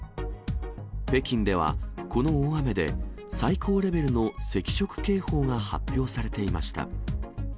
北京では、この大雨で最高レベルの赤色警報が発表されていました。